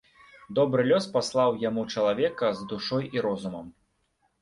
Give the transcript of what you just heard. Добры лёс паслаў яму чалавека з душой і розумам.